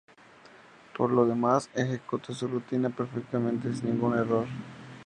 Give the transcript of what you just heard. Por lo demás, ejecuta su rutina perfectamente, sin ningún error.